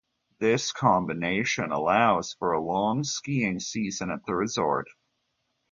This combination allows for a long skiing season at the resort.